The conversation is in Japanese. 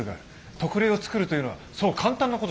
特例を作るというのはそう簡単な事じゃないんですよ。